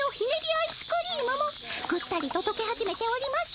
アイスクリームもぐったりととけ始めております。